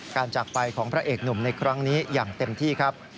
จากไปของพระเอกหนุ่มในครั้งนี้อย่างเต็มที่ครับ